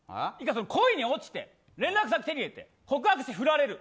恋に落ちて連絡先、手に入れて告白してフラれる。